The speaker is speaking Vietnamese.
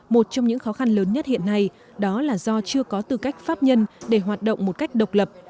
một trong những khó khăn lớn nhất hiện nay đó là do chưa có tư cách pháp nhân để hoạt động một cách độc lập